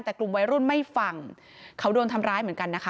แต่กลุ่มวัยรุ่นไม่ฟังเขาโดนทำร้ายเหมือนกันนะคะ